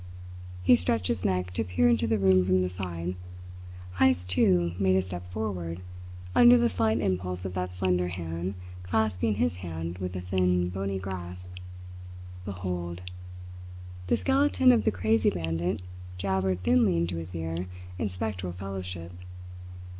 He stretched his neck to peer into the room from the side. Heyst, too, made a step forward, under the slight impulse of that slender hand clasping his hand with a thin, bony grasp. "Behold!" the skeleton of the crazy bandit jabbered thinly into his ear in spectral fellowship.